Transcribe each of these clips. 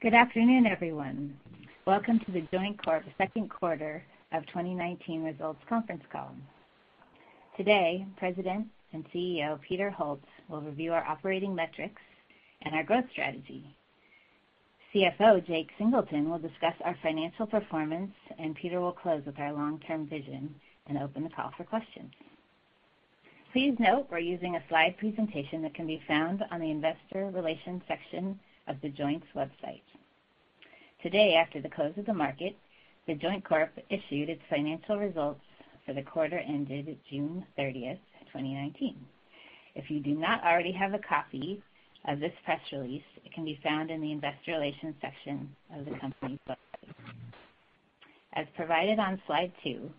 Good afternoon, everyone. Welcome to The Joint Corp. second quarter of 2019 results conference call. Today, President and CEO, Peter Holt, will review our operating metrics and our growth strategy. CFO Jake Singleton will discuss our financial performance, and Peter will close with our long-term vision and open the call for questions. Please note we're using a slide presentation that can be found on the investor relations section of The Joint's website. Today, after the close of the market, The Joint Corp. issued its financial results for the quarter ended June 30th, 2019. If you do not already have a copy of this press release, it can be found in the investor relations section of the company's website. As provided on slide two,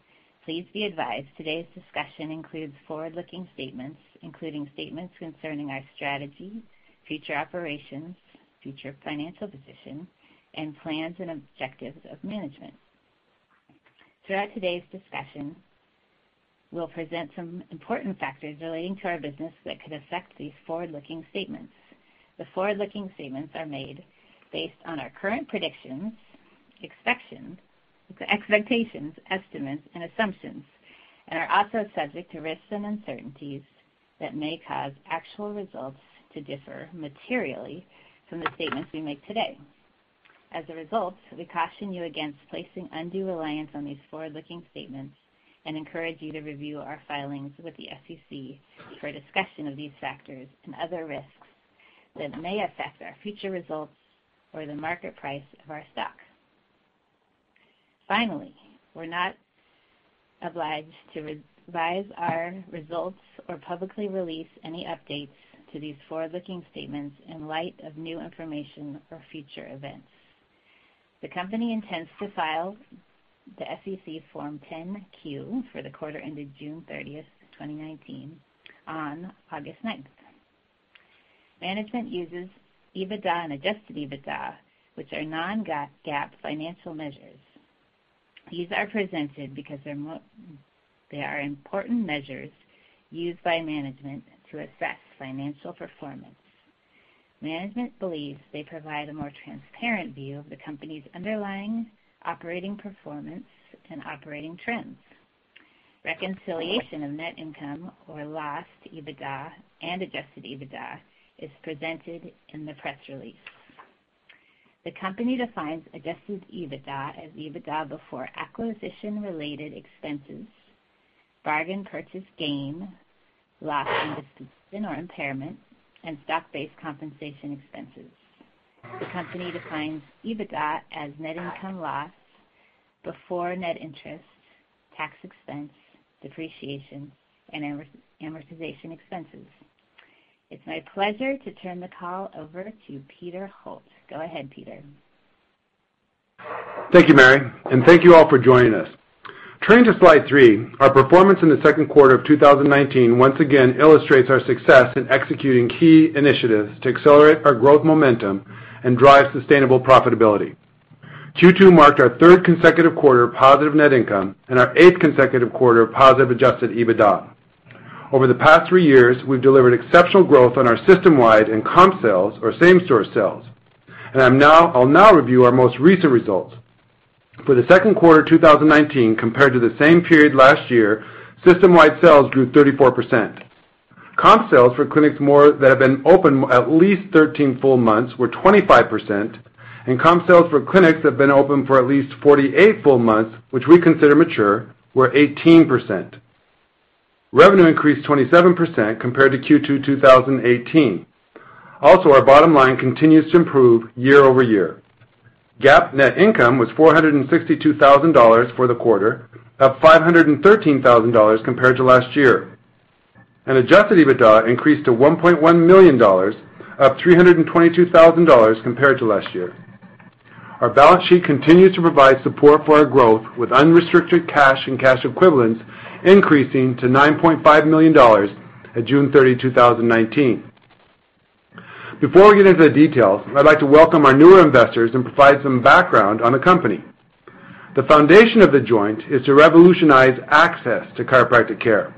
please be advised today's discussion includes forward-looking statements, including statements concerning our strategy, future operations, future financial position, and plans and objectives of management. Throughout today's discussion, we'll present some important factors relating to our business that could affect these forward-looking statements. The forward-looking statements are made based on our current predictions, expectations, estimates, and assumptions and are also subject to risks and uncertainties that may cause actual results to differ materially from the statements we make today. We caution you against placing undue reliance on these forward-looking statements and encourage you to review our filings with the SEC for a discussion of these factors and other risks that may affect our future results or the market price of our stock. We're not obliged to revise our results or publicly release any updates to these forward-looking statements in light of new information or future events. The company intends to file the SEC Form 10-Q for the quarter ended June 30th, 2019, on August 9th. Management uses EBITDA and adjusted EBITDA, which are non-GAAP financial measures. These are presented because they are important measures used by management to assess financial performance. Management believes they provide a more transparent view of the company's underlying operating performance and operating trends. Reconciliation of net income or loss to EBITDA and adjusted EBITDA is presented in the press release. The company defines adjusted EBITDA as EBITDA before acquisition-related expenses, bargain purchase gain, loss in disposition or impairment, and stock-based compensation expenses. The company defines EBITDA as net income loss before net interest, tax expense, depreciation, and amortization expenses. It's my pleasure to turn the call over to Peter Holt. Go ahead, Peter. Thank you, Mary, and thank you all for joining us. Turning to slide three, our performance in the second quarter of 2019 once again illustrates our success in executing key initiatives to accelerate our growth momentum and drive sustainable profitability. Q2 marked our third consecutive quarter of positive net income and our eighth consecutive quarter of positive adjusted EBITDA. Over the past three years, we've delivered exceptional growth on our system-wide and comp sales or same-store sales. I'll now review our most recent results. For the second quarter 2019 compared to the same period last year, system-wide sales grew 34%. Comp sales for clinics that have been open at least 13 full months were 25%, and comp sales for clinics that have been open for at least 48 full months, which we consider mature, were 18%. Revenue increased 27% compared to Q2 2018. Our bottom line continues to improve year-over-year. GAAP net income was $462,000 for the quarter, up $513,000 compared to last year. Adjusted EBITDA increased to $1.1 million, up $322,000 compared to last year. Our balance sheet continues to provide support for our growth with unrestricted cash and cash equivalents increasing to $9.5 million at June 30, 2019. Before we get into the details, I'd like to welcome our newer investors and provide some background on the company. The foundation of The Joint is to revolutionize access to chiropractic care.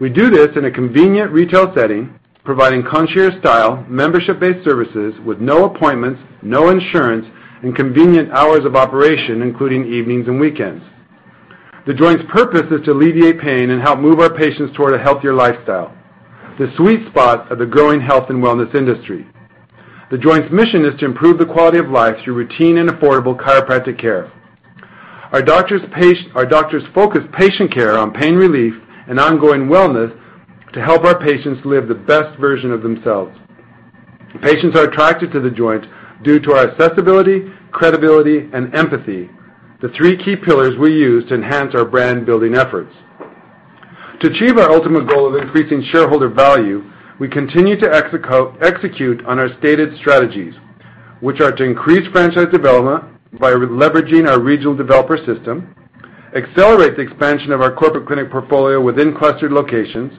We do this in a convenient retail setting, providing concierge-style, membership-based services with no appointments, no insurance, and convenient hours of operation, including evenings and weekends. The Joint's purpose is to alleviate pain and help move our patients toward a healthier lifestyle, the sweet spot of the growing health and wellness industry. The Joint's mission is to improve the quality of life through routine and affordable chiropractic care. Our doctors focus patient care on pain relief and ongoing wellness to help our patients live the best version of themselves. Patients are attracted to The Joint due to our accessibility, credibility, and empathy, the three key pillars we use to enhance our brand-building efforts. To achieve our ultimate goal of increasing shareholder value, we continue to execute on our stated strategies, which are to increase franchise development by leveraging our regional developer system, accelerate the expansion of our corporate clinic portfolio within clustered locations,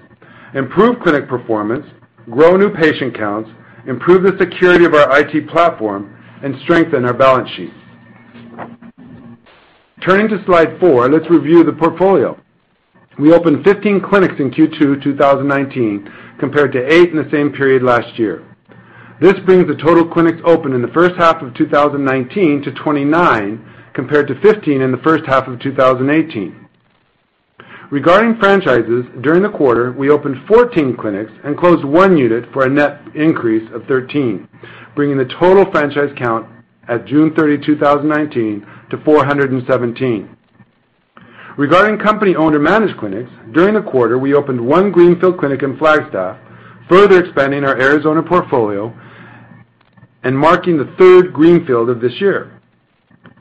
improve clinic performance, grow new patient counts, improve the security of our IT platform, and strengthen our balance sheet. Turning to slide four, let's review the portfolio. We opened 15 clinics in Q2 2019, compared to eight in the same period last year. This brings the total clinics open in the first half of 2019 to 29, compared to 15 in the first half of 2018. Regarding franchises, during the quarter, we opened 14 clinics and closed one unit for a net increase of 13, bringing the total franchise count at June 30, 2019, to 417. Regarding company owner-managed clinics, during the quarter, we opened one greenfield clinic in Flagstaff, further expanding our Arizona portfolio and marking the third greenfield of this year.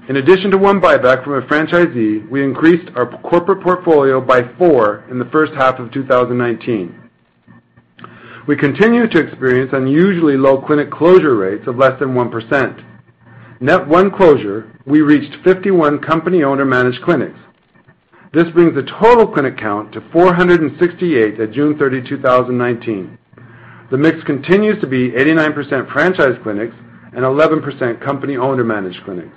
In addition to one buyback from a franchisee, we increased our corporate portfolio by four in the first half of 2019. We continue to experience unusually low clinic closure rates of less than 1%. Net one closure, we reached 51 company owner-managed clinics. This brings the total clinic count to 468 at June 30, 2019. The mix continues to be 89% franchise clinics and 11% company owner-managed clinics.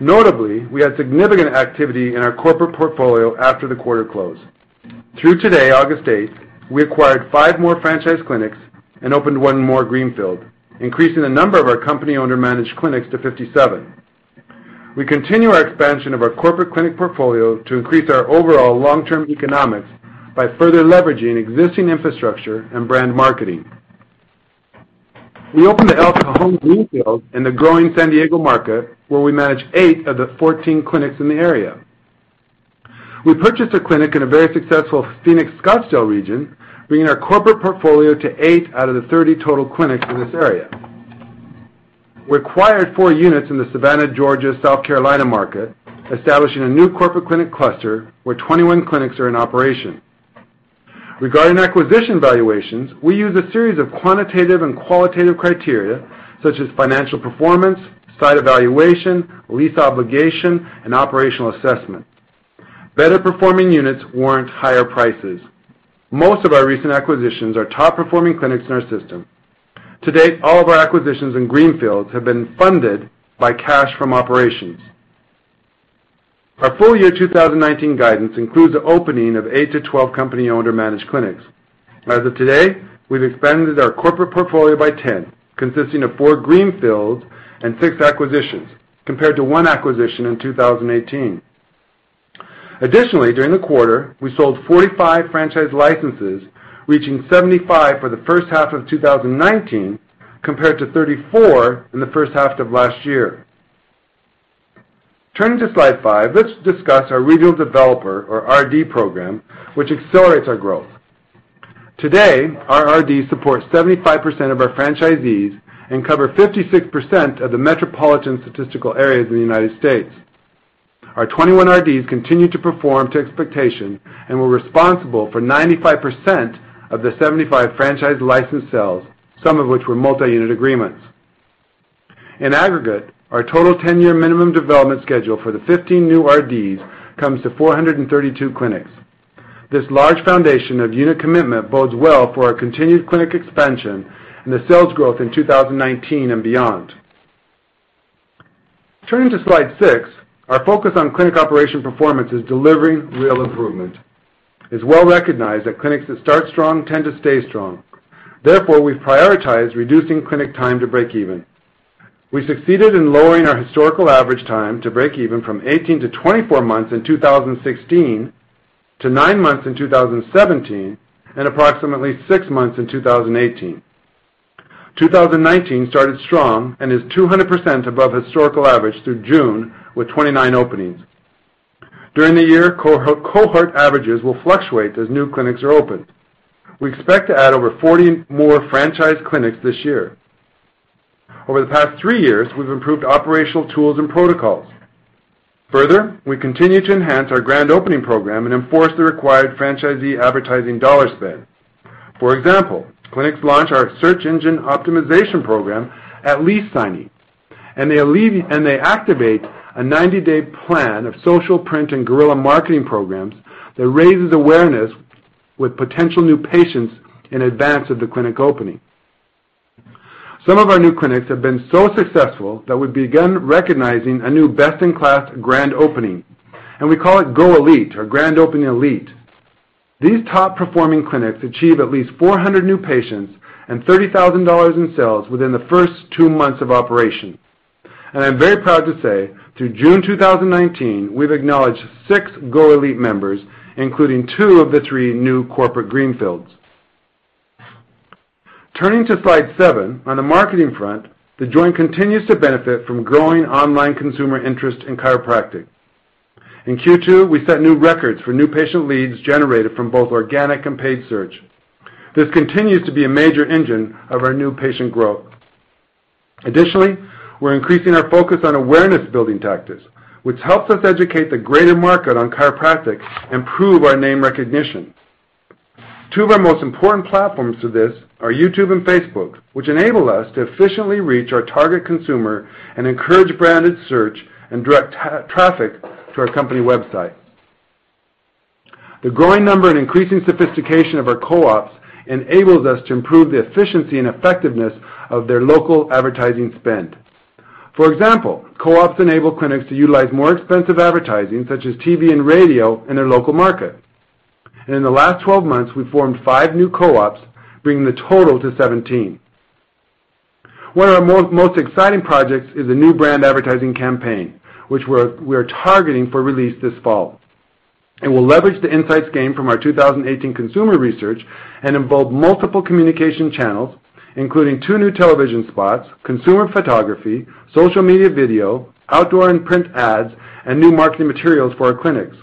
Notably, we had significant activity in our corporate portfolio after the quarter close. Through today, August 8th, we acquired five more franchise clinics and opened one more greenfield, increasing the number of our company owner-managed clinics to 57. We continue our expansion of our corporate clinic portfolio to increase our overall long-term economics by further leveraging existing infrastructure and brand marketing. We opened the El Cajon greenfield in the growing San Diego market, where we manage eight of the 14 clinics in the area. We purchased a clinic in a very successful Phoenix/Scottsdale region, bringing our corporate portfolio to eight out of the 30 total clinics in this area. We acquired four units in the Savannah, Georgia, South Carolina market, establishing a new corporate clinic cluster where 21 clinics are in operation. Regarding acquisition valuations, we use a series of quantitative and qualitative criteria such as financial performance, site evaluation, lease obligation, and operational assessment. Better-performing units warrant higher prices. Most of our recent acquisitions are top-performing clinics in our system. To date, all of our acquisitions in greenfields have been funded by cash from operations. Our full-year 2019 guidance includes the opening of eight to 12 company owner-managed clinics. As of today, we've expanded our corporate portfolio by 10, consisting of four greenfields and six acquisitions, compared to one acquisition in 2018. Additionally, during the quarter, we sold 45 franchise licenses, reaching 75 for the first half of 2019, compared to 34 in the first half of last year. Turning to slide five, let's discuss our Regional Developer, or RD program, which accelerates our growth. Today, our RDs support 75% of our franchisees and cover 56% of the metropolitan statistical areas in the U.S. Our 21 RDs continue to perform to expectation and were responsible for 95% of the 75 franchise license sales, some of which were multi-unit agreements. In aggregate, our total 10-year minimum development schedule for the 15 new RDs comes to 432 clinics. This large foundation of unit commitment bodes well for our continued clinic expansion and the sales growth in 2019 and beyond. Turning to slide six, our focus on clinic operation performance is delivering real improvement. It's well recognized that clinics that start strong tend to stay strong. Therefore, we've prioritized reducing clinic time to break even. We've succeeded in lowering our historical average time to break even from 18-24 months in 2016 to nine months in 2017 and approximately six months in 2018. 2019 started strong and is 200% above historical average through June with 29 openings. During the year, cohort averages will fluctuate as new clinics are opened. We expect to add over 40 more franchise clinics this year. Over the past three years, we've improved operational tools and protocols. Further, we continue to enhance our grand opening program and enforce the required franchisee advertising dollar spend. For example, clinics launch our search engine optimization program at lease signing, and they activate a 90-day plan of social print and guerrilla marketing programs that raises awareness with potential new patients in advance of the clinic opening. Some of our new clinics have been so successful that we've begun recognizing a new best-in-class grand opening, and we call it GO Elite or Grand Opening Elite. These top-performing clinics achieve at least 400 new patients and $30,000 in sales within the first two months of operation. I'm very proud to say, through June 2019, we've acknowledged six GO Elite members, including two of the three new corporate greenfields. Turning to slide seven, on the marketing front, The Joint continues to benefit from growing online consumer interest in chiropractic. In Q2, we set new records for new patient leads generated from both organic and paid search. This continues to be a major engine of our new patient growth. Additionally, we're increasing our focus on awareness-building tactics, which helps us educate the greater market on chiropractic and prove our name recognition. Two of our most important platforms to this are YouTube and Facebook, which enable us to efficiently reach our target consumer and encourage branded search and direct traffic to our company website. The growing number and increasing sophistication of our co-ops enables us to improve the efficiency and effectiveness of their local advertising spend. For example, co-ops enable clinics to utilize more expensive advertising, such as TV and radio in their local market. In the last 12 months, we've formed five new co-ops, bringing the total to 17. One of our most exciting projects is a new brand advertising campaign, which we are targeting for release this fall. It will leverage the insights gained from our 2018 consumer research and involve multiple communication channels, including two new television spots, consumer photography, social media video, outdoor and print ads, and new marketing materials for our clinics.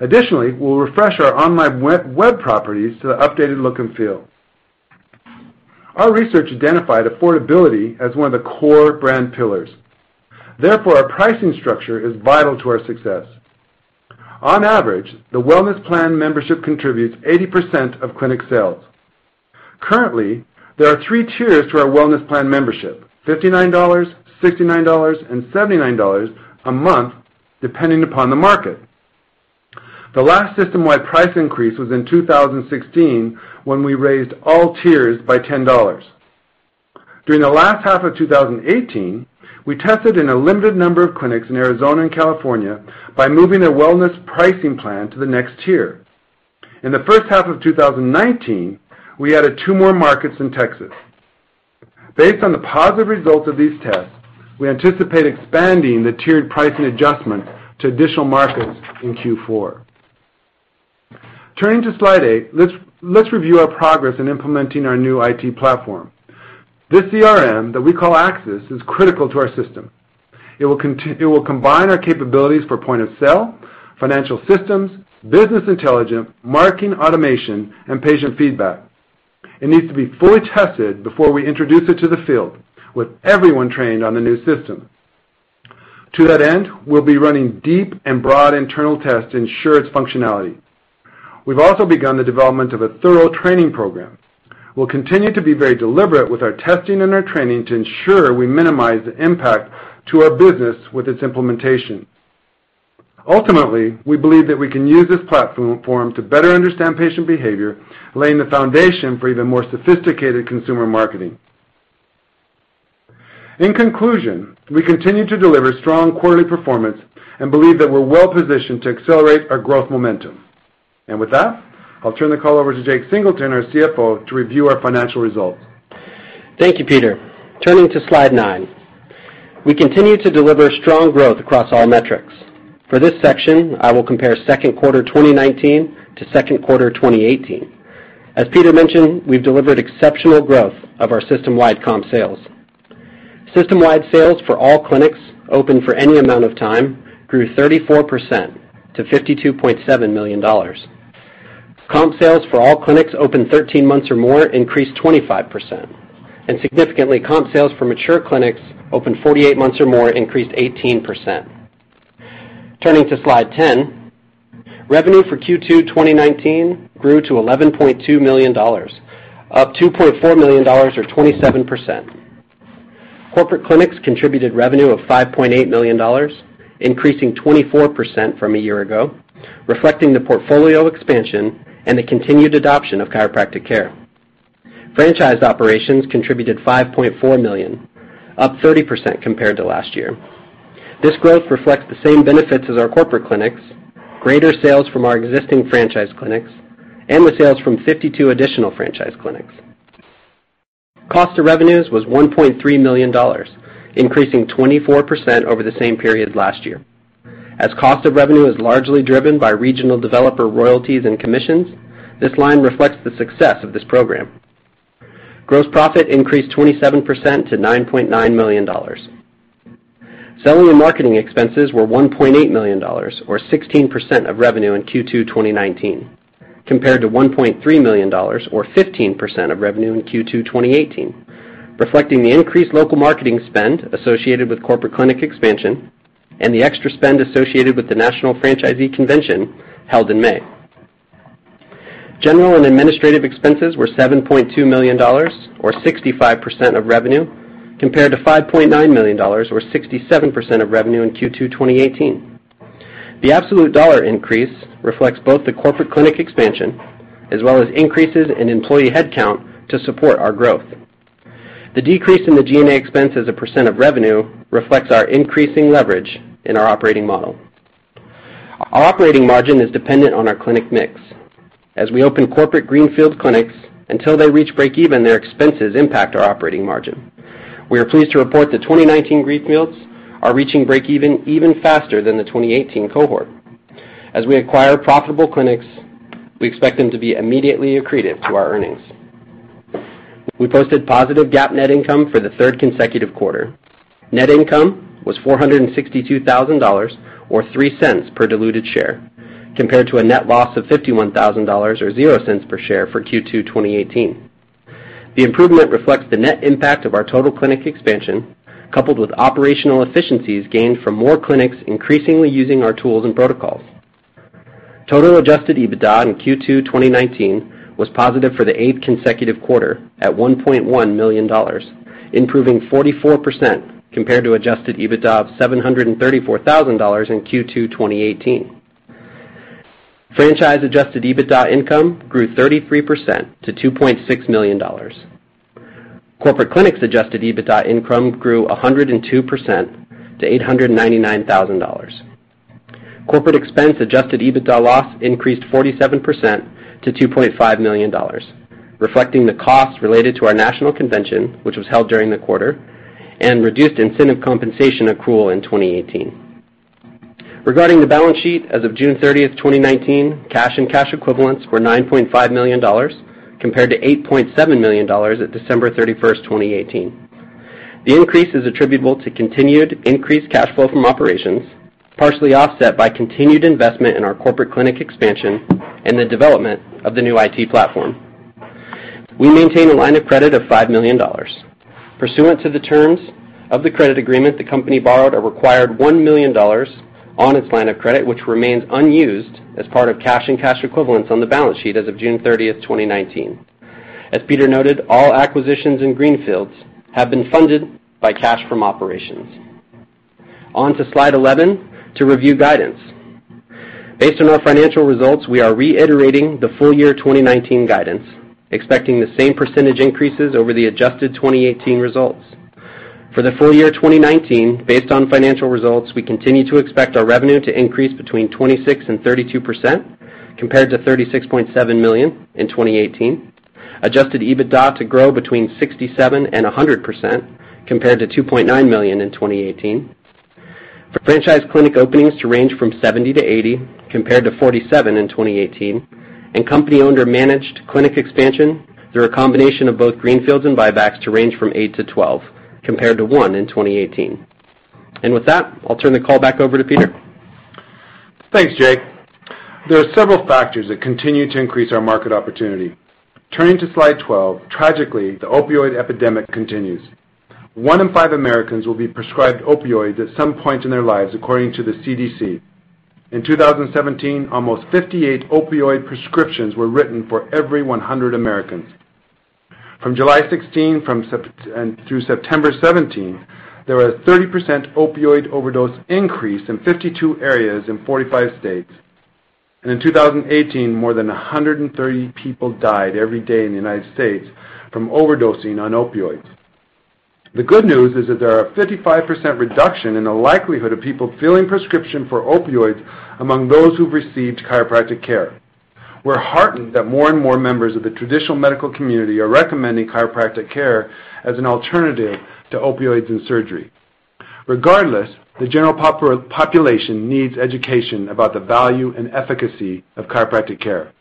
Additionally, we'll refresh our online web properties to the updated look and feel. Our research identified affordability as one of the core brand pillars. Therefore, our pricing structure is vital to our success. On average, the wellness plan membership contributes 80% of clinic sales. Currently, there are 3 tiers to our wellness plan membership, $59, $69, and $79 a month, depending upon the market. The last system-wide price increase was in 2016, when we raised all tiers by $10. During the last half of 2018, we tested in a limited number of clinics in Arizona and California by moving their wellness pricing plan to the next tier. In the first half of 2019, we added two more markets in Texas. Based on the positive results of these tests, we anticipate expanding the tiered pricing adjustment to additional markets in Q4. Turning to slide eight, let's review our progress in implementing our new IT platform. This CRM that we call Axis is critical to our system. It will combine our capabilities for point of sale, financial systems, business intelligence, marketing automation, and patient feedback. It needs to be fully tested before we introduce it to the field, with everyone trained on the new system. To that end, we'll be running deep and broad internal tests to ensure its functionality. We've also begun the development of a thorough training program. We'll continue to be very deliberate with our testing and our training to ensure we minimize the impact to our business with its implementation. Ultimately, we believe that we can use this platform to better understand patient behavior, laying the foundation for even more sophisticated consumer marketing. In conclusion, we continue to deliver strong quarterly performance and believe that we're well-positioned to accelerate our growth momentum. With that, I'll turn the call over to Jake Singleton, our CFO, to review our financial results. Thank you, Peter. Turning to slide nine. We continue to deliver strong growth across all metrics. For this section, I will compare second quarter 2019 to second quarter 2018. As Peter mentioned, we've delivered exceptional growth of our system-wide comp sales. System-wide sales for all clinics open for any amount of time grew 34% to $52.7 million. Comp sales for all clinics open 13 months or more increased 25%. Significantly, comp sales for mature clinics open 48 months or more increased 18%. Turning to slide 10, revenue for Q2 2019 grew to $11.2 million, up $2.4 million or 27%. Corporate clinics contributed revenue of $5.8 million, increasing 24% from a year ago, reflecting the portfolio expansion and the continued adoption of chiropractic care. Franchised operations contributed $5.4 million, up 30% compared to last year. This growth reflects the same benefits as our corporate clinics, greater sales from our existing franchise clinics, and with sales from 52 additional franchise clinics. Cost of revenues was $1.3 million, increasing 24% over the same period last year. As cost of revenue is largely driven by regional developer royalties and commissions, this line reflects the success of this program. Gross profit increased 27% to $9.9 million. Selling and marketing expenses were $1.8 million, or 16% of revenue in Q2 2019, compared to $1.3 million or 15% of revenue in Q2 2018, reflecting the increased local marketing spend associated with corporate clinic expansion and the extra spend associated with the National Franchisee Convention held in May. General and administrative expenses were $7.2 million, or 65% of revenue, compared to $5.9 million or 67% of revenue in Q2 2018. The absolute dollar increase reflects both the corporate clinic expansion as well as increases in employee headcount to support our growth. The decrease in the G&A expense as a percent of revenue reflects our increasing leverage in our operating model. Our operating margin is dependent on our clinic mix. As we open corporate greenfield clinics, until they reach break even, their expenses impact our operating margin. We are pleased to report the 2019 greenfields are reaching break even even faster than the 2018 cohort. As we acquire profitable clinics, we expect them to be immediately accretive to our earnings. We posted positive GAAP net income for the third consecutive quarter. Net income was $462,000, or $0.03 per diluted share, compared to a net loss of $51,000, or $0.00 per share for Q2 2018. The improvement reflects the net impact of our total clinic expansion, coupled with operational efficiencies gained from more clinics increasingly using our tools and protocols. Total adjusted EBITDA in Q2 2019 was positive for the eighth consecutive quarter at $1.1 million. Improving 44% compared to adjusted EBITDA of $734,000 in Q2 2018. Franchise adjusted EBITDA income grew 33% to $2.6 million. Corporate clinics' adjusted EBITDA income grew 102% to $899,000. Corporate expense adjusted EBITDA loss increased 47% to $2.5 million, reflecting the costs related to our National Convention, which was held during the quarter, and reduced incentive compensation accrual in 2018. Regarding the balance sheet, as of June 30th, 2019, cash and cash equivalents were $9.5 million, compared to $8.7 million at December 31st, 2018. The increase is attributable to continued increased cash flow from operations, partially offset by continued investment in our corporate clinic expansion and the development of the new IT platform. We maintain a line of credit of $5 million. Pursuant to the terms of the credit agreement, the company borrowed a required $1 million on its line of credit, which remains unused as part of cash and cash equivalents on the balance sheet as of June 30th, 2019. As Peter noted, all acquisitions in greenfields have been funded by cash from operations. On to slide 11 to review guidance. Based on our financial results, we are reiterating the full year 2019 guidance, expecting the same percentage increases over the adjusted 2018 results. For the full year 2019, based on financial results, we continue to expect our revenue to increase between 26% and 32% compared to $36.7 million in 2018. Adjusted EBITDA to grow between 67% and 100% compared to $2.9 million in 2018. For franchise clinic openings to range from 70-80 compared to 47 in 2018, and company-owned or managed clinic expansion through a combination of both greenfields and buybacks to range from 8-12 compared to one in 2018. With that, I'll turn the call back over to Peter. Thanks, Jake. There are several factors that continue to increase our market opportunity. Turning to slide 12, tragically, the opioid epidemic continues. One in five Americans will be prescribed opioids at some point in their lives, according to the CDC. In 2017, almost 58 opioid prescriptions were written for every 100 Americans. From July 16 and through September 17, there was a 30% opioid overdose increase in 52 areas in 45 states. In 2018, more than 130 people died every day in the United States from overdosing on opioids. The good news is that there are 55% reduction in the likelihood of people filling prescription for opioids among those who've received chiropractic care. We're heartened that more and more members of the traditional medical community are recommending chiropractic care as an alternative to opioids and surgery. Regardless, the general population needs education about the value and efficacy of chiropractic care.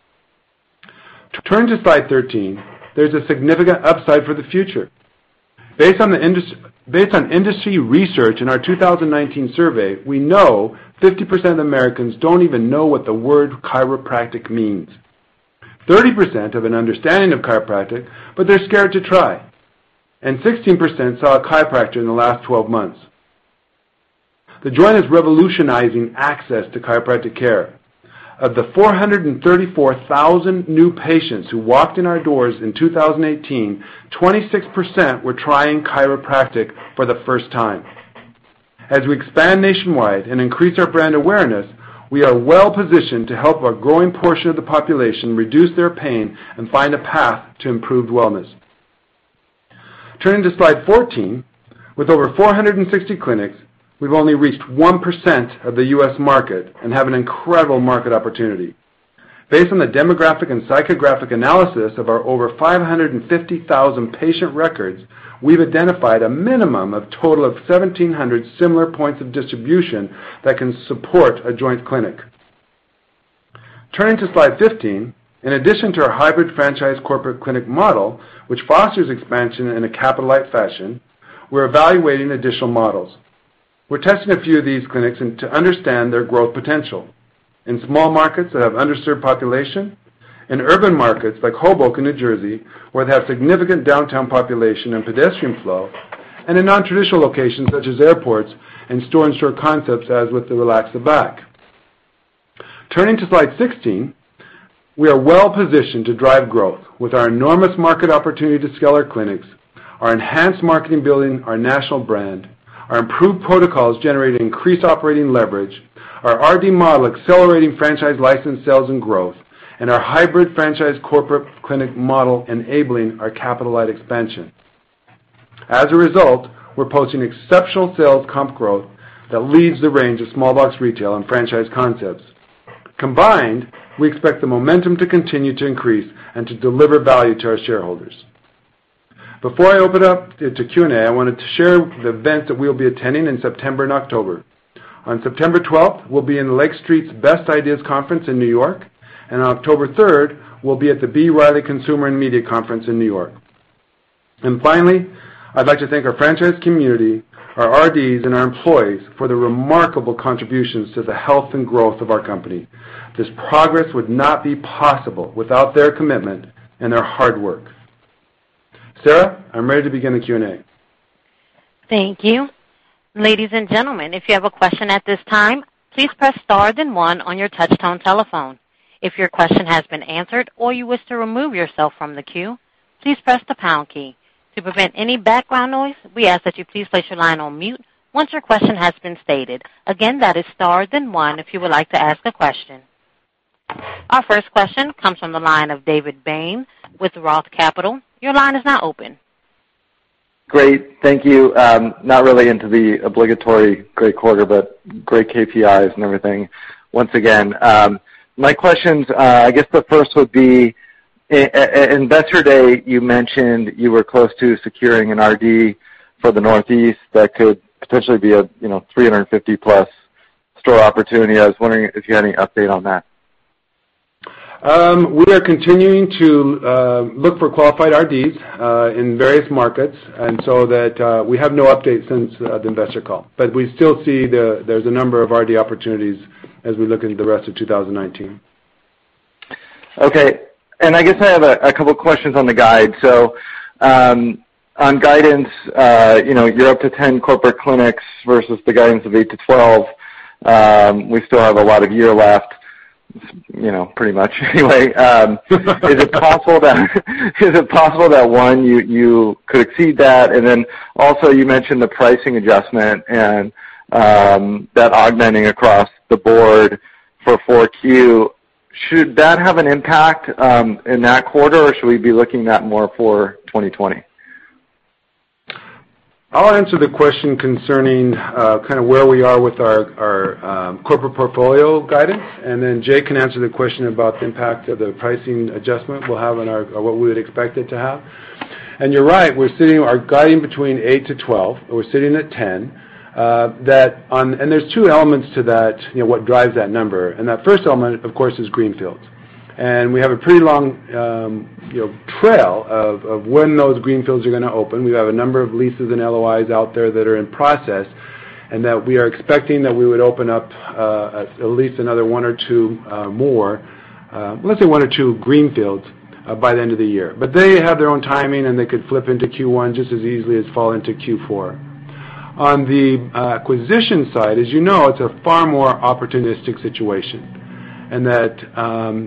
Turn to slide 13, there's a significant upside for the future. Based on industry research in our 2019 survey, we know 50% of Americans don't even know what the word chiropractic means. 30% have an understanding of chiropractic, but they're scared to try, and 16% saw a chiropractor in the last 12 months. The Joint is revolutionizing access to chiropractic care. Of the 434,000 new patients who walked in our doors in 2018, 26% were trying chiropractic for the first time. As we expand nationwide and increase our brand awareness, we are well-positioned to help a growing portion of the population reduce their pain and find a path to improved wellness. Turning to slide 14, with over 460 clinics, we've only reached 1% of the U.S. market and have an incredible market opportunity. Based on the demographic and psychographic analysis of our over 550,000 patient records, we've identified a minimum of total of 1,700 similar points of distribution that can support a Joint clinic. Turning to slide 15, in addition to our hybrid franchise corporate clinic model, which fosters expansion in a capital-light fashion, we're evaluating additional models. We're testing a few of these clinics and to understand their growth potential. In small markets that have underserved population, in urban markets like Hoboken, New Jersey, where it has significant downtown population and pedestrian flow, and in non-traditional locations such as airports and store-in-store concepts as with the Relax The Back. Turning to slide 16, we are well-positioned to drive growth with our enormous market opportunity to scale our clinics, our enhanced marketing building our national brand, our improved protocols generating increased operating leverage, our RD model accelerating franchise license sales and growth, and our hybrid franchise corporate clinic model enabling our capital-light expansion. As a result, we're posting exceptional sales comp growth that leads the range of small box retail and franchise concepts. Combined, we expect the momentum to continue to increase and to deliver value to our shareholders. Before I open up to Q&A, I wanted to share the events that we'll be attending in September and October. On September 12th, we'll be in Lake Street's Best Ideas Growth Conference in New York. On October 3rd, we'll be at the B. Riley Consumer & Media Conference in New York. Finally, I'd like to thank our franchise community, our RDs, and our employees for the remarkable contributions to the health and growth of our company. This progress would not be possible without their commitment and their hard work. Sarah, I'm ready to begin the Q&A Thank you. Ladies and gentlemen, if you have a question at this time, please press star then one on your touch-tone telephone. If your question has been answered or you wish to remove yourself from the queue, please press the pound key. To prevent any background noise, we ask that you please place your line on mute once your question has been stated. Again, that is star then one if you would like to ask a question. Our first question comes from the line of David Bain with ROTH Capital. Your line is now open. Great. Thank you. Not really into the obligatory great quarter, great KPIs and everything once again. My questions, I guess the first would be, at Investor Day, you mentioned you were close to securing an RD for the Northeast that could potentially be a 350-plus store opportunity. I was wondering if you had any update on that. We are continuing to look for qualified RDs in various markets. We have no update since the investor call. We still see there's a number of RD opportunities as we look into the rest of 2019. Okay. I guess I have a couple questions on the guide. On guidance, you're up to 10 corporate clinics versus the guidance of eight to 12. We still have a lot of year left, pretty much anyway. Is it possible that, one, you could exceed that? You mentioned the pricing adjustment and that augmenting across the board for 4Q. Should that have an impact in that quarter, or should we be looking at more for 2020? I'll answer the question concerning where we are with our corporate portfolio guidance, then Jake can answer the question about the impact of the pricing adjustment we'll have on what we would expect it to have. You're right, we're sitting our guiding between eight to 12. We're sitting at 10. There's two elements to that, what drives that number. That first element, of course, is greenfields. We have a pretty long trail of when those greenfields are going to open. We have a number of leases and LOIs out there that are in process, and that we are expecting that we would open up at least another one or two more, let's say one or two greenfields, by the end of the year. They have their own timing, and they could flip into Q1 just as easily as fall into Q4. On the acquisition side, as you know, it's a far more opportunistic situation,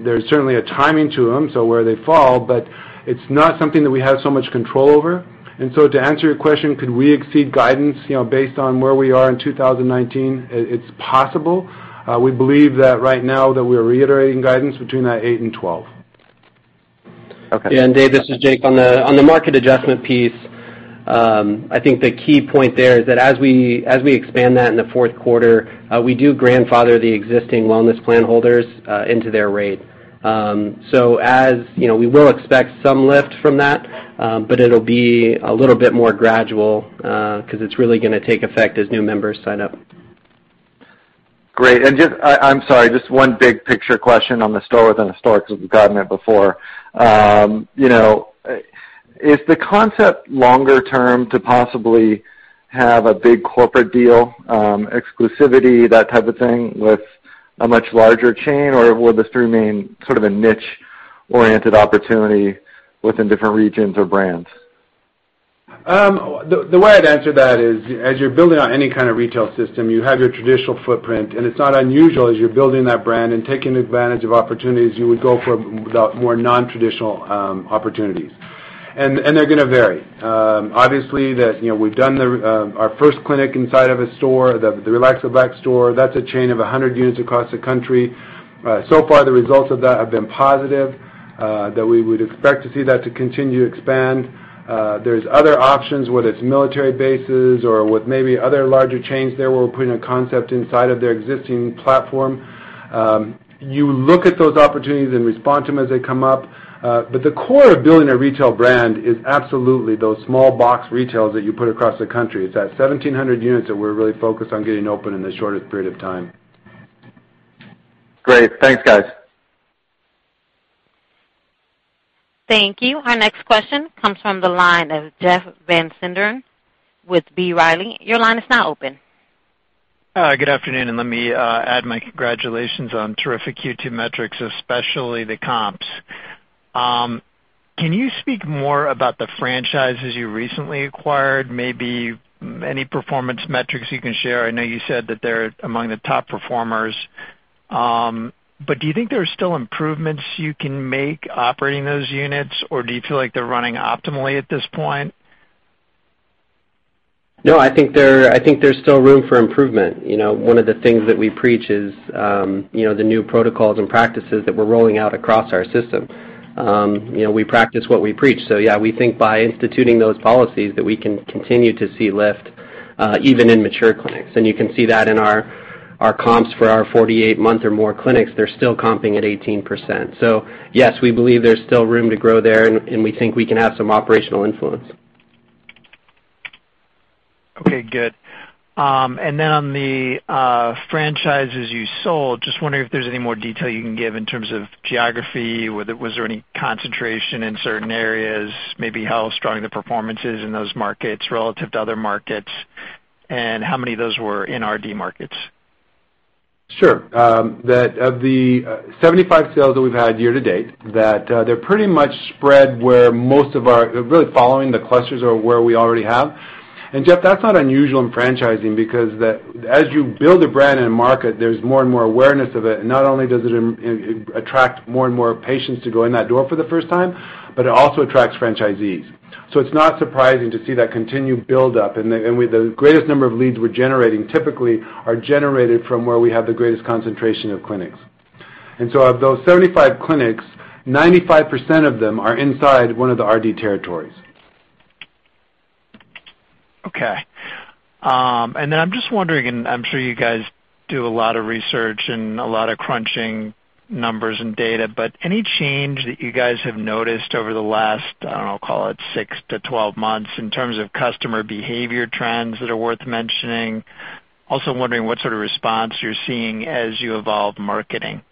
there's certainly a timing to them, where they fall, but it's not something that we have so much control over. To answer your question, could we exceed guidance based on where we are in 2019? It's possible. We believe that right now that we're reiterating guidance between that eight and 12. Okay. Yeah, Dave, this is Jake. On the market adjustment piece, I think the key point there is that as we expand that in the fourth quarter, we do grandfather the existing wellness plan holders into their rate. We will expect some lift from that, but it'll be a little bit more gradual because it's really going to take effect as new members sign up. Great. Just, I'm sorry, just one big picture question on the store within a store because we've gotten it before. Is the concept longer term to possibly have a big corporate deal, exclusivity, that type of thing, with a much larger chain, or will this remain sort of a niche-oriented opportunity within different regions or brands? The way I'd answer that is, as you're building out any kind of retail system, you have your traditional footprint, and it's not unusual as you're building that brand and taking advantage of opportunities, you would go for more non-traditional opportunities. They're going to vary. Obviously, we've done our first clinic inside of a store, the Relax The Back store. That's a chain of 100 units across the country. So far, the results of that have been positive, that we would expect to see that to continue to expand. There's other options, whether it's military bases or with maybe other larger chains there, we'll put in a concept inside of their existing platform. You look at those opportunities and respond to them as they come up. The core of building a retail brand is absolutely those small box retails that you put across the country. It's that 1,700 units that we're really focused on getting open in the shortest period of time. Great. Thanks, guys. Thank you. Our next question comes from the line of Jeff Van Sinderen with B. Riley. Your line is now open. Good afternoon. Let me add my congratulations on terrific Q2 metrics, especially the comps. Can you speak more about the franchises you recently acquired? Maybe any performance metrics you can share? I know you said that they're among the top performers, but do you think there's still improvements you can make operating those units, or do you feel like they're running optimally at this point? No, I think there's still room for improvement. One of the things that we preach is the new protocols and practices that we're rolling out across our system. We practice what we preach. Yeah, we think by instituting those policies that we can continue to see lift even in mature clinics. You can see that in our comps for our 48-month or more clinics. They're still comping at 18%. Yes, we believe there's still room to grow there, and we think we can have some operational influence. Okay, good. On the franchises you sold, just wondering if there's any more detail you can give in terms of geography. Was there any concentration in certain areas? Maybe how strong the performance is in those markets relative to other markets, and how many of those were in RD markets? Sure. That of the 75 sales that we've had year to date, that they're pretty much spread where really following the clusters are where we already have. Jeff, that's not unusual in franchising because as you build a brand in a market, there's more and more awareness of it, and not only does it attract more and more patients to go in that door for the first time, but it also attracts franchisees. It's not surprising to see that continued build-up, and the greatest number of leads we're generating typically are generated from where we have the greatest concentration of clinics. Of those 75 clinics, 95% of them are inside one of the RD territories. Okay. I'm just wondering, and I'm sure you guys do a lot of research and a lot of crunching numbers and data, but any change that you guys have noticed over the last, I don't know, call it six to 12 months in terms of customer behavior trends that are worth mentioning? Also wondering what sort of response you're seeing as you evolve marketing.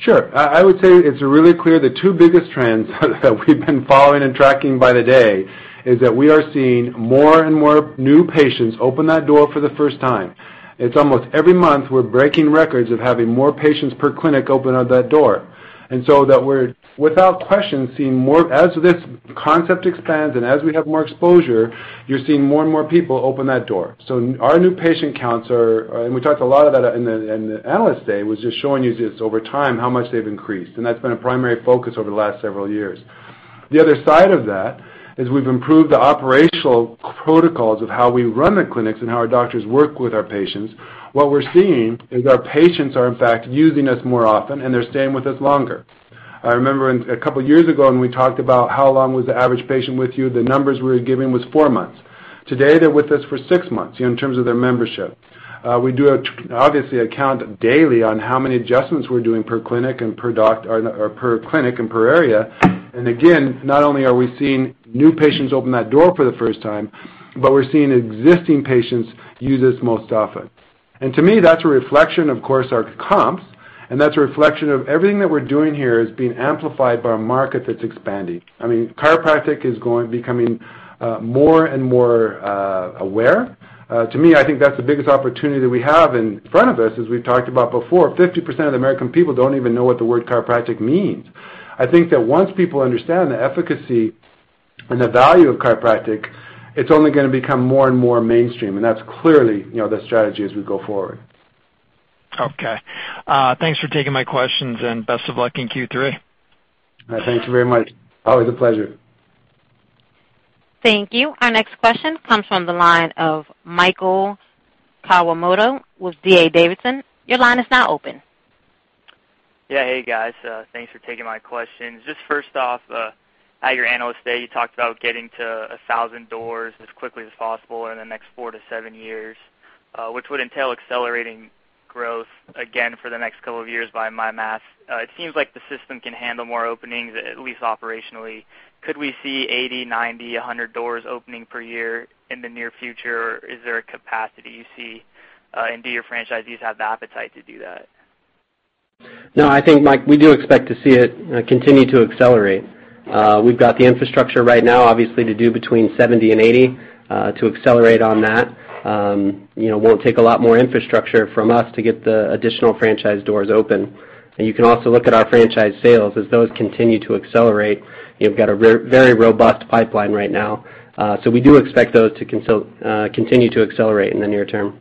Sure. I would say it's really clear the two biggest trends that we've been following and tracking by the day is that we are seeing more and more new patients open that door for the first time. It's almost every month, we're breaking records of having more patients per clinic open up that door. That we're, without question, seeing more, as this concept expands and as we have more exposure, you're seeing more and more people open that door. Our new patient counts are, and we talked a lot about that in the Analyst Day, was just showing you just over time how much they've increased, and that's been a primary focus over the last several years. The other side of that is we've improved the operational protocols of how we run the clinics and how our doctors work with our patients. What we're seeing is our patients are, in fact, using us more often, and they're staying with us longer. I remember a couple of years ago when we talked about how long was the average patient with you, the numbers we were giving was four months. Today, they're with us for six months, in terms of their membership. We do, obviously, a count daily on how many adjustments we're doing per clinic and per area. Again, not only are we seeing new patients open that door for the first time, but we're seeing existing patients use us most often. To me, that's a reflection, of course, our comps, and that's a reflection of everything that we're doing here is being amplified by a market that's expanding. Chiropractic is becoming more and more aware. To me, I think that's the biggest opportunity that we have in front of us, as we've talked about before. 50% of the American people don't even know what the word chiropractic means. I think that once people understand the efficacy and the value of chiropractic, it's only going to become more and more mainstream, and that's clearly the strategy as we go forward. Okay. Thanks for taking my questions, and best of luck in Q3. All right. Thank you very much. Always a pleasure. Thank you. Our next question comes from the line of Michael Kawamoto with D.A. Davidson. Your line is now open. Yeah. Hey, guys. Thanks for taking my questions. First off, at your Analyst Day, you talked about getting to 1,000 doors as quickly as possible in the next four to seven years, which would entail accelerating growth again for the next couple of years by my math. It seems like the system can handle more openings, at least operationally. Could we see 80, 90, 100 doors opening per year in the near future? Is there a capacity you see? Do your franchisees have the appetite to do that? No, I think, Mike, we do expect to see it continue to accelerate. We've got the infrastructure right now, obviously, to do between 70 and 80. To accelerate on that, won't take a lot more infrastructure from us to get the additional franchise doors open. You can also look at our franchise sales as those continue to accelerate. We've got a very robust pipeline right now. We do expect those to continue to accelerate in the near term.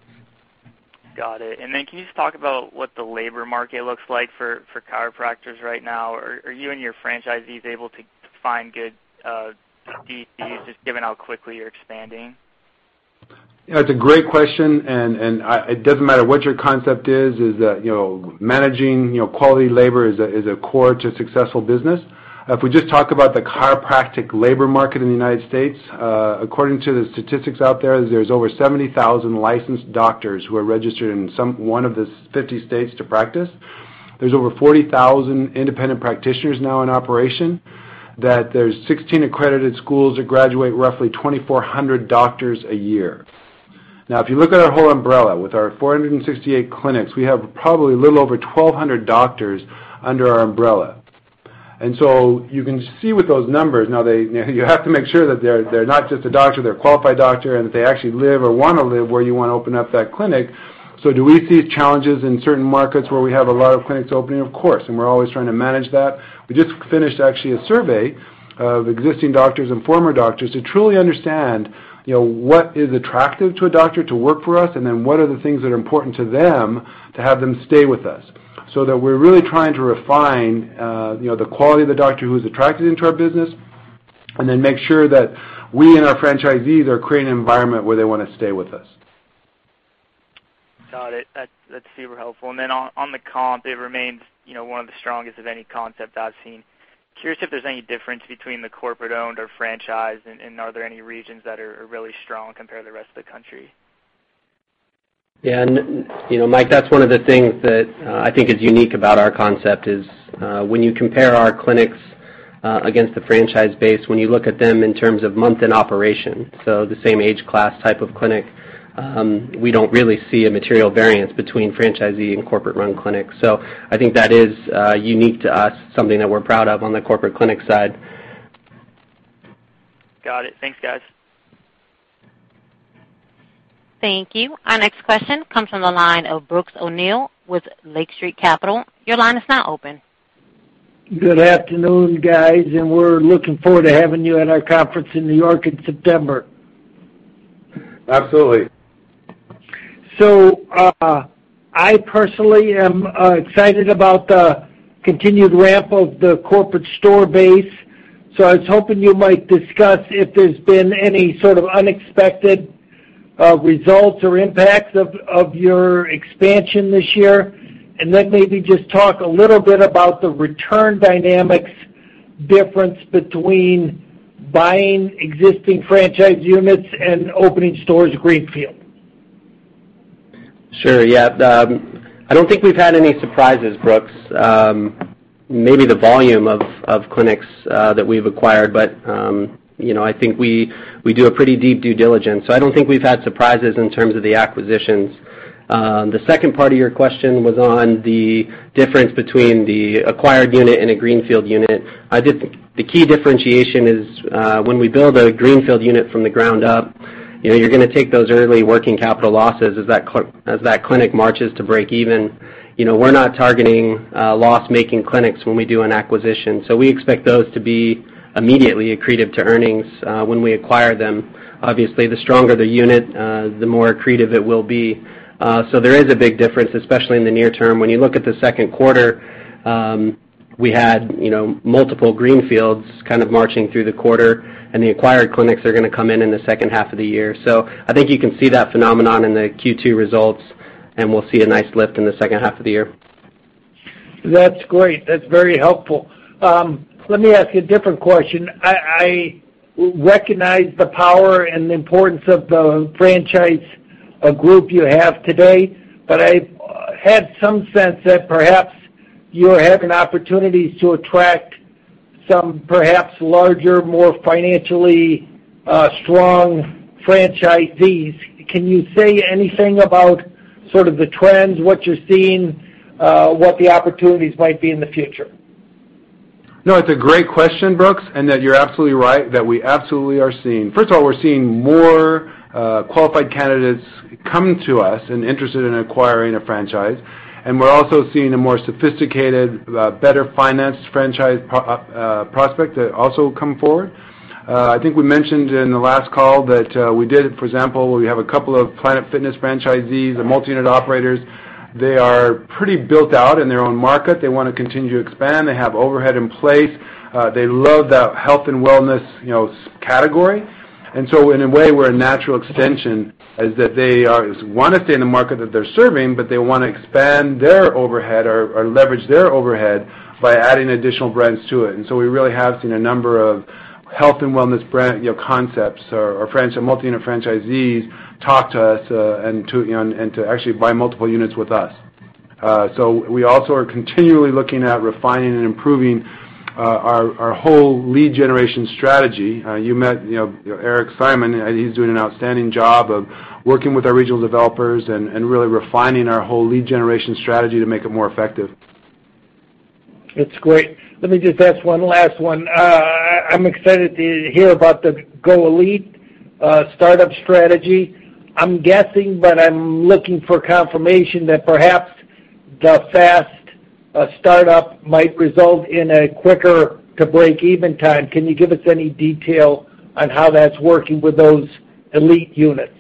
Got it. Can you just talk about what the labor market looks like for chiropractors right now? Are you and your franchisees able to find good DC, just given how quickly you're expanding? Yeah, it's a great question, it doesn't matter what your concept is that, managing quality labor is a core to successful business. If we just talk about the chiropractic labor market in the United States, according to the statistics out there's over 70,000 licensed doctors who are registered in one of the 50 states to practice. There's over 40,000 independent practitioners now in operation, that there's 16 accredited schools that graduate roughly 2,400 doctors a year. Now, if you look at our whole umbrella with our 468 clinics, we have probably a little over 1,200 doctors under our umbrella. You can see with those numbers, now you have to make sure that they're not just a doctor, they're a qualified doctor, and that they actually live or want to live where you want to open up that clinic. Do we see challenges in certain markets where we have a lot of clinics opening? Of course, we're always trying to manage that. We just finished actually a survey of existing doctors and former doctors to truly understand what is attractive to a doctor to work for us, and then what are the things that are important to them to have them stay with us. So that we're really trying to refine the quality of the doctor who's attracted into our business and then make sure that we and our franchisees are creating an environment where they want to stay with us. Got it. That's super helpful. On the comp, it remains one of the strongest of any concept I've seen. Curious if there's any difference between the corporate-owned or franchise, and are there any regions that are really strong compared to the rest of the country? Yeah. Mike, that's one of the things that I think is unique about our concept is, when you compare our clinics against the franchise base, when you look at them in terms of month in operation, so the same age class type of clinic, we don't really see a material variance between franchisee and corporate-run clinics. I think that is unique to us, something that we're proud of on the corporate clinic side. Got it. Thanks, guys. Thank you. Our next question comes from the line of Brooks O'Neil with Lake Street Capital. Your line is now open. Good afternoon, guys, we're looking forward to having you at our conference in New York in September. Absolutely. I personally am excited about the continued ramp of the corporate store base. I was hoping you might discuss if there's been any sort of unexpected results or impacts of your expansion this year, and then maybe just talk a little bit about the return dynamics difference between buying existing franchise units and opening stores greenfield. Sure, yeah. I don't think we've had any surprises, Brooks. Maybe the volume of clinics that we've acquired. I think we do a pretty deep due diligence. I don't think we've had surprises in terms of the acquisitions. The second part of your question was on the difference between the acquired unit and a greenfield unit. The key differentiation is, when we build a greenfield unit from the ground up, you're going to take those early working capital losses as that clinic marches to break even. We're not targeting loss-making clinics when we do an acquisition. We expect those to be immediately accretive to earnings when we acquire them. Obviously, the stronger the unit, the more accretive it will be. There is a big difference, especially in the near term. You look at the second quarter, we had multiple greenfields kind of marching through the quarter, and the acquired clinics are going to come in in the second half of the year. I think you can see that phenomenon in the Q2 results, and we'll see a nice lift in the second half of the year. That's great. That's very helpful. Let me ask a different question. I recognize the power and the importance of the franchise group you have today, but I had some sense that perhaps you're having opportunities to attract some perhaps larger, more financially strong franchisees. Can you say anything about sort of the trends, what you're seeing, what the opportunities might be in the future? No, it's a great question, Brooks. You're absolutely right that we absolutely are seeing. First of all, we're seeing more qualified candidates coming to us and interested in acquiring a franchise. We're also seeing a more sophisticated, better-financed franchise prospect that also come forward. I think we mentioned in the last call that we did, for example, we have a couple of Planet Fitness franchisees and multi-unit operators. They are pretty built out in their own market. They want to continue to expand. They have overhead in place. They love the health and wellness category. In a way, we're a natural extension, as that they want to stay in the market that they're serving, but they want to expand their overhead or leverage their overhead by adding additional brands to it. We really have seen a number of health and wellness brand concepts or multi-unit franchisees talk to us and to actually buy multiple units with us. We also are continually looking at refining and improving our whole lead generation strategy. You met Eric Simon. He's doing an outstanding job of working with our regional developers and really refining our whole lead generation strategy to make it more effective. That's great. Let me just ask one last one. I'm excited to hear about the Go Elite startup strategy. I'm guessing, but I'm looking for confirmation that perhaps the fast startup might result in a quicker to break-even time. Can you give us any detail on how that's working with those Elite units?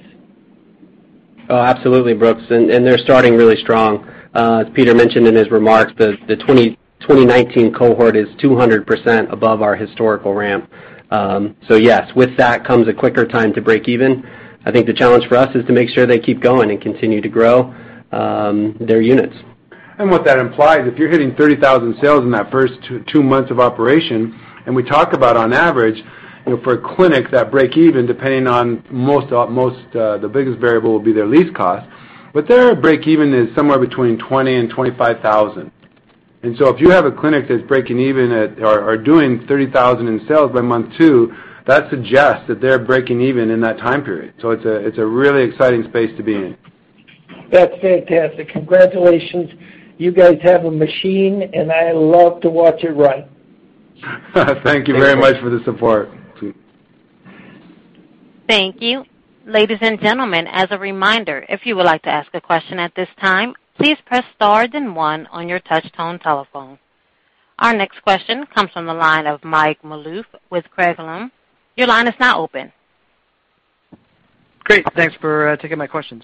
Absolutely, Brooks, they're starting really strong. As Peter mentioned in his remarks, the 2019 cohort is 200% above our historical ramp. Yes, with that comes a quicker time to break even. I think the challenge for us is to make sure they keep going and continue to grow their units. What that implies, if you're hitting $30,000 sales in that first two months of operation, and we talk about on average, for a clinic, that break even, depending on the biggest variable will be their lease cost, but their break even is somewhere between $20,000 and $25,000. If you have a clinic that's breaking even at, or doing $30,000 in sales by month two, that suggests that they're breaking even in that time period. It's a really exciting space to be in. That's fantastic. Congratulations. You guys have a machine, and I love to watch it run. Thank you very much for the support. Thank you. Ladies and gentlemen, as a reminder, if you would like to ask a question at this time, please press star then one on your touch tone telephone. Our next question comes from the line of Mike Malouf with Craig-Hallum. Your line is now open. Great. Thanks for taking my questions.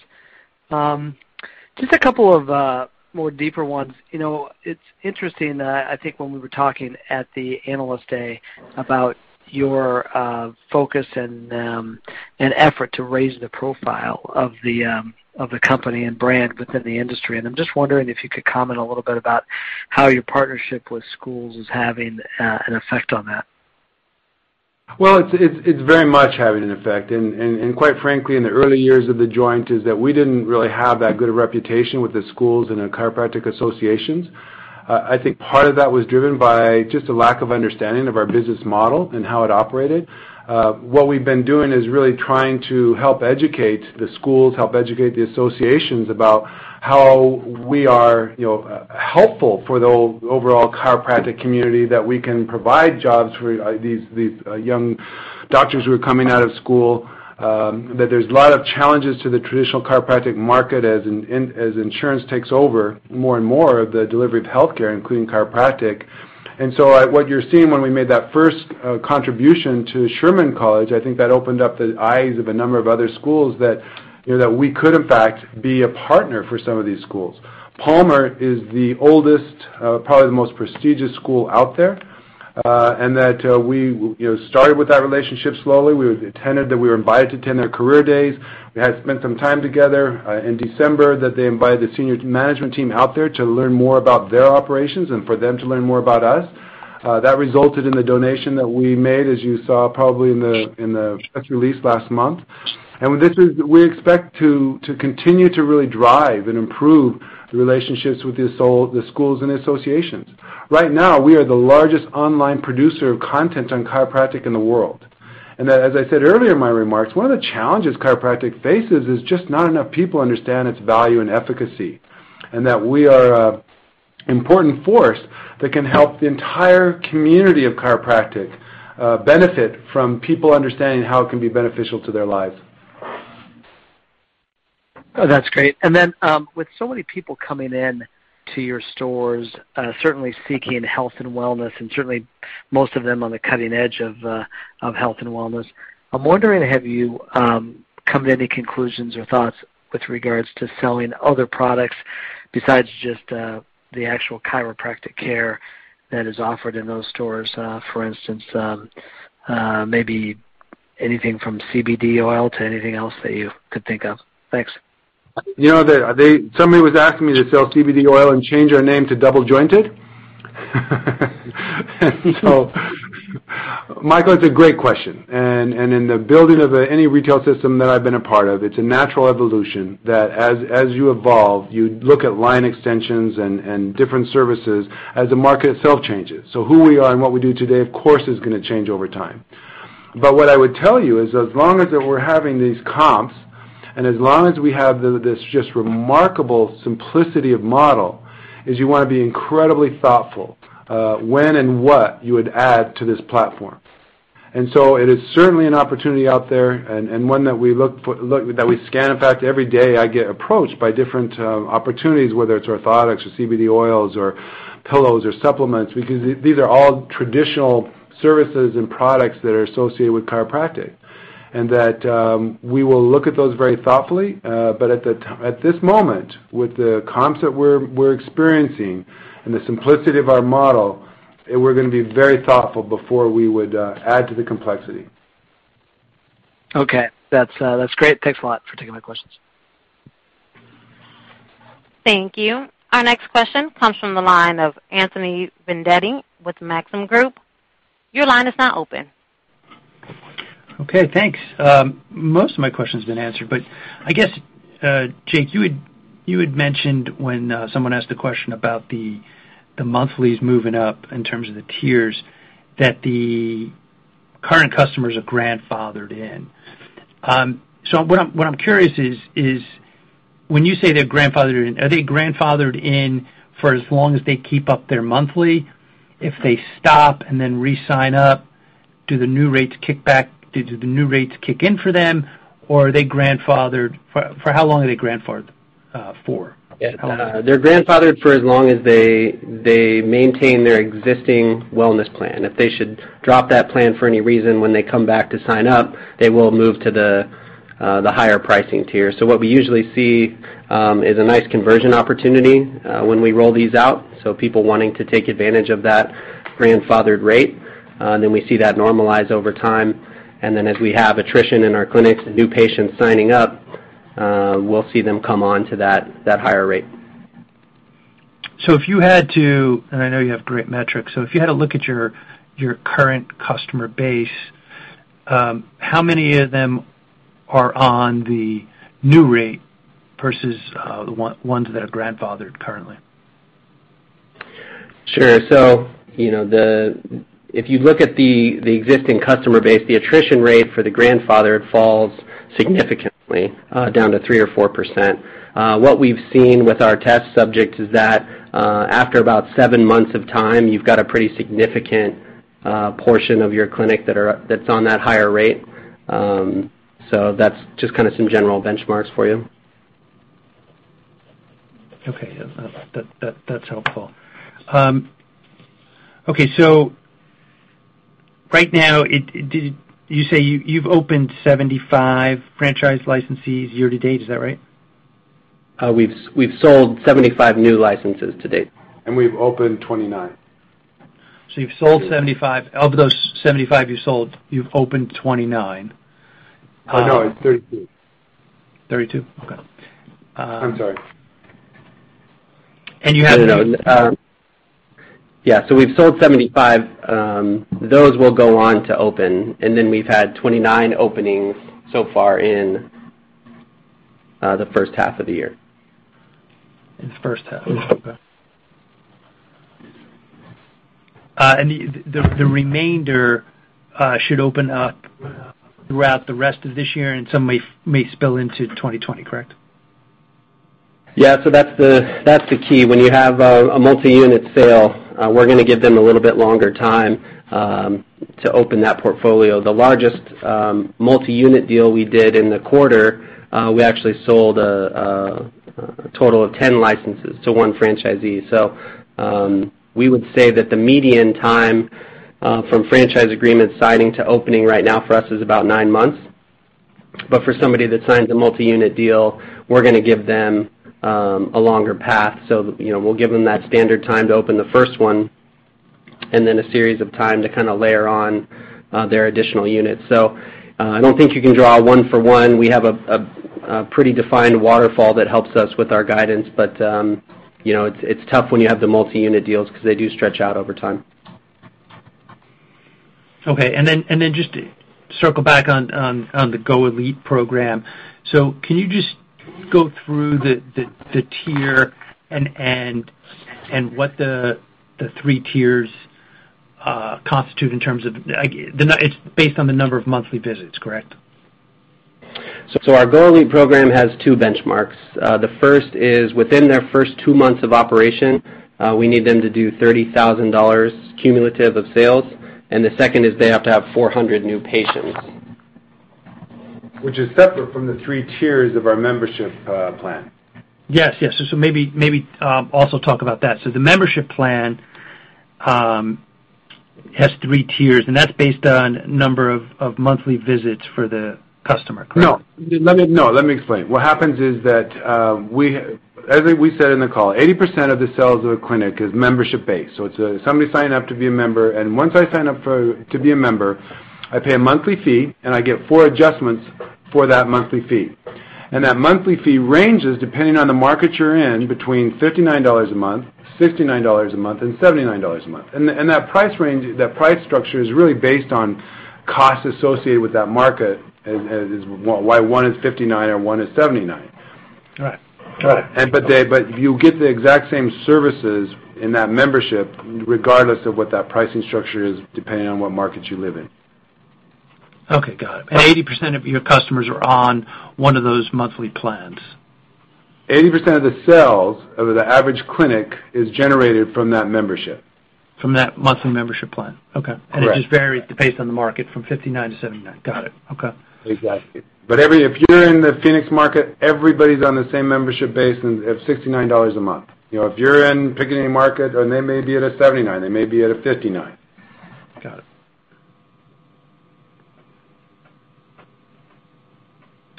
Just a couple of more deeper ones. It's interesting, I think when we were talking at the Analyst Day about your focus and effort to raise the profile of the company and brand within the industry, I'm just wondering if you could comment a little bit about how your partnership with schools is having an effect on that. Well, it's very much having an effect. Quite frankly, in the early years of The Joint is that we didn't really have that good a reputation with the schools and the chiropractic associations. I think part of that was driven by just a lack of understanding of our business model and how it operated. What we've been doing is really trying to help educate the schools, help educate the associations about how we are helpful for the overall chiropractic community, that we can provide jobs for these young doctors who are coming out of school, that there's a lot of challenges to the traditional chiropractic market as insurance takes over more and more of the delivery of healthcare, including chiropractic. What you're seeing when we made that first contribution to Sherman College, I think that opened up the eyes of a number of other schools that we could in fact be a partner for some of these schools. Palmer is the oldest, probably the most prestigious school out there. That we started with that relationship slowly. We were invited to attend their career days. We had spent some time together in December that they invited the senior management team out there to learn more about their operations and for them to learn more about us. That resulted in the donation that we made, as you saw probably in the press release last month. We expect to continue to really drive and improve the relationships with the schools and the associations. Right now, we are the largest online producer of content on chiropractic in the world. That, as I said earlier in my remarks, one of the challenges chiropractic faces is just not enough people understand its value and efficacy, and that we are an important force that can help the entire community of chiropractic, benefit from people understanding how it can be beneficial to their lives. That's great. With so many people coming in to your stores, certainly seeking health and wellness, and certainly most of them on the cutting edge of health and wellness. I'm wondering, have you come to any conclusions or thoughts with regards to selling other products besides just the actual chiropractic care that is offered in those stores? For instance, maybe anything from CBD oil to anything else that you could think of. Thanks. Somebody was asking me to sell CBD oil and change our name to Double Jointed. Michael, it's a great question, and in the building of any retail system that I've been a part of, it's a natural evolution that as you evolve, you look at line extensions and different services as the market itself changes. Who we are and what we do today, of course, is going to change over time. What I would tell you is as long as that we're having these comps, and as long as we have this just remarkable simplicity of model, is you want to be incredibly thoughtful, when and what you would add to this platform. It is certainly an opportunity out there and one that we scan. In fact, every day I get approached by different opportunities, whether it's orthotics or CBD oils or pillows or supplements, because these are all traditional services and products that are associated with chiropractic. That, we will look at those very thoughtfully, but at this moment, with the comps that we're experiencing and the simplicity of our model, we're going to be very thoughtful before we would add to the complexity. Okay. That's great. Thanks a lot for taking my questions. Thank you. Our next question comes from the line of Anthony Vendetti with Maxim Group. Your line is now open. Okay, thanks. Most of my question's been answered, but I guess, Jake, you had mentioned when someone asked the question about the monthlies moving up in terms of the tiers that the current customers are grandfathered in. What I'm curious is, when you say they're grandfathered in, are they grandfathered in for as long as they keep up their monthly? If they stop and then re-sign up, do the new rates kick in for them, or for how long are they grandfathered for? They're grandfathered for as long as they maintain their existing wellness plan. If they should drop that plan for any reason, when they come back to sign up, they will move to the higher pricing tier. What we usually see is a nice conversion opportunity, when we roll these out. People wanting to take advantage of that grandfathered rate, we see that normalize over time. As we have attrition in our clinics and new patients signing up, we'll see them come on to that higher rate. If you had to, and I know you have great metrics, if you had to look at your current customer base, how many of them are on the new rate versus ones that are grandfathered currently? Sure. If you look at the existing customer base, the attrition rate for the grandfathered falls significantly, down to 3% or 4%. What we've seen with our test subject is that, after about seven months of time, you've got a pretty significant portion of your clinic that's on that higher rate. That's just kind of some general benchmarks for you. Okay. That's helpful. Okay, right now, you say you've opened 75 franchise licensees year to date, is that right? We've sold 75 new licenses to date. We've opened 29. You've sold 75. Of those 75 you sold, you've opened 29. No, it's 32. 32? Okay. I'm sorry. Yeah, we've sold 75. Those will go on to open, and then we've had 29 openings so far in the first half of the year. In the first half. Okay. The remainder should open up throughout the rest of this year, and some may spill into 2020, correct? Yeah. That's the key. When you have a multi-unit sale, we're going to give them a little bit longer time to open that portfolio. The largest multi-unit deal we did in the quarter, we actually sold a total of 10 licenses to one franchisee. We would say that the median time from franchise agreement signing to opening right now for us is about nine months. For somebody that signs a multi-unit deal, we're going to give them a longer path. We'll give them that standard time to open the first one, and then a series of time to kind of layer on their additional units. I don't think you can draw one for one. We have a pretty defined waterfall that helps us with our guidance, but it's tough when you have the multi-unit deals because they do stretch out over time. Okay. Just to circle back on the Go Elite program. Can you just go through the tier and what the 3 tiers constitute? It's based on the number of monthly visits, correct? Our Go Elite program has two benchmarks. The first is within their first two months of operation, we need them to do $30,000 cumulative of sales, and the second is they have to have 400 new patients. Which is separate from the 3 tiers of our membership plan. Yes. Maybe also talk about that. The membership plan has 3 tiers, and that's based on number of monthly visits for the customer, correct? No, let me explain. What happens is that, as we said in the call, 80% of the sales of the clinic is membership-based. It's somebody signing up to be a member, Once I sign up to be a member, I pay a monthly fee, I get four adjustments for that monthly fee. That monthly fee ranges depending on the market you're in between $59 a month, $69 a month, and $79 a month. That price structure is really based on costs associated with that market, why one is 59 and one is 79. Right. you get the exact same services in that membership, regardless of what that pricing structure is, depending on what market you live in. Okay, got it. 80% of your customers are on one of those monthly plans? 80% of the sales of the average clinic is generated from that membership. From that monthly membership plan. Okay. Correct. It just varies based on the market from $59-$79. Got it. Okay. Exactly. If you're in the Phoenix market, everybody's on the same membership base of $69 a month. If you're in pick any market and they may be at a $79, they may be at a $59. Got it.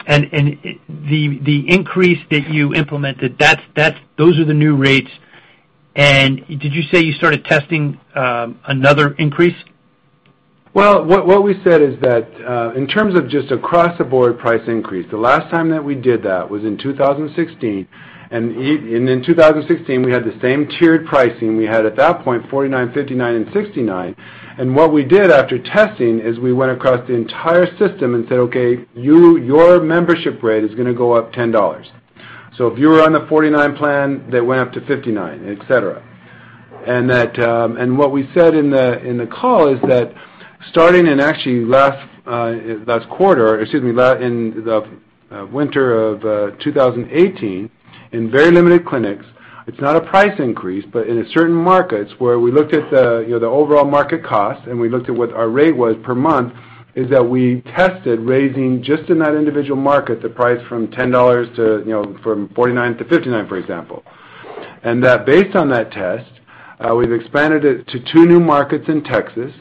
The increase that you implemented, those are the new rates. Did you say you started testing another increase? Well, what we said is that, in terms of just across the board price increase, the last time that we did that was in 2016. In 2016, we had the same tiered pricing we had at that point, $49, $59, and $69. What we did after testing is we went across the entire system and said, okay, your membership rate is going to go up $10. If you were on the $49 plan, that went up to $59, et cetera. What we said in the call is that starting in actually last quarter, excuse me, in the winter of 2018, in very limited clinics, it is not a price increase, but in certain markets where we looked at the overall market cost and we looked at what our rate was per month, is that we tested raising, just in that individual market, the price from $49 to $59, for example. Based on that test, we have expanded it to two new markets in Texas.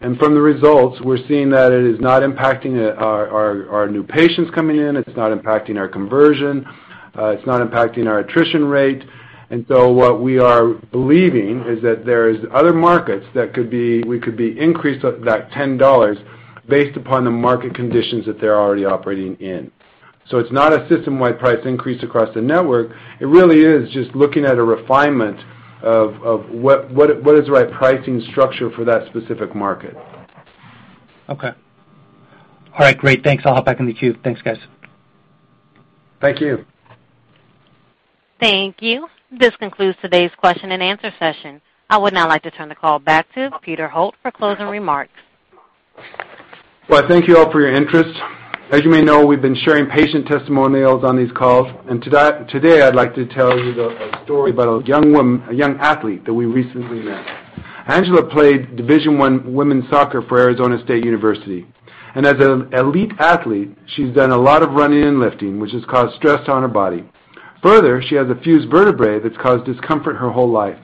From the results, we are seeing that it is not impacting our new patients coming in. It is not impacting our conversion. It is not impacting our attrition rate. What we are believing is that there are other markets that we could be increased that $10 based upon the market conditions that they are already operating in. It's not a system-wide price increase across the network. It really is just looking at a refinement of what is the right pricing structure for that specific market. All right, great. Thanks. I'll hop back in the queue. Thanks, guys. Thank you. Thank you. This concludes today's question and answer session. I would now like to turn the call back to Peter Holt for closing remarks. Well, thank you all for your interest. As you may know, we've been sharing patient testimonials on these calls, and today I'd like to tell you a story about a young athlete that we recently met. Angela played Division I women's soccer for Arizona State University, and as an elite athlete, she's done a lot of running and lifting, which has caused stress on her body. Further, she has a fused vertebrae that's caused discomfort her whole life.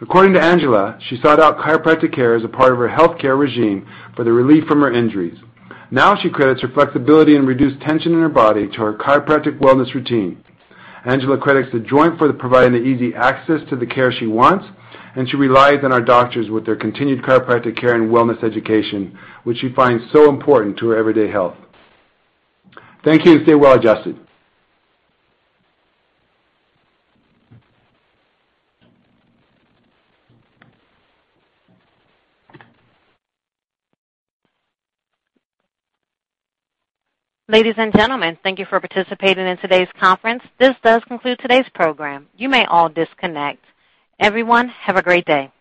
According to Angela, she sought out chiropractic care as a part of her healthcare regime for the relief from her injuries. Now she credits her flexibility and reduced tension in her body to her chiropractic wellness routine. Angela credits The Joint for providing the easy access to the care she wants. She relies on our doctors with their continued chiropractic care and wellness education, which she finds so important to her everyday health. Thank you. Stay well-adjusted. Ladies and gentlemen, thank you for participating in today's conference. This does conclude today's program. You may all disconnect. Everyone, have a great day.